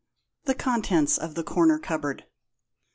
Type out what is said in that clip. THE CONTENTS OF THE CORNER CUPBOARD.